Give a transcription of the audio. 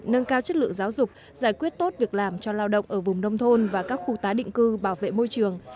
nâng cao chất lượng giáo dục giải quyết tốt việc làm cho lao động ở vùng nông thôn và các khu tái định cư bảo vệ môi trường